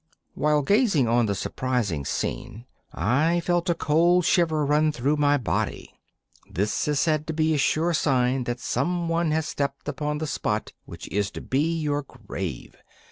While gazing on the surprising scene, I felt a cold shiver run through my body. This is said to be a sure sign that someone has stepped upon the spot which is to be your grave.